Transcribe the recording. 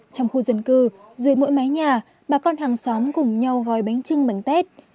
trong khu dân cư dưới mỗi mái nhà bà con hàng xóm cùng nhau gói bánh trưng bánh tết